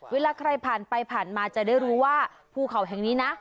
เวลาใครผ่านไปผ่านมาจะได้รู้ว่าภูเขาแห่งนี้นะ